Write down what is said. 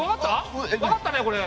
わかったねこれ。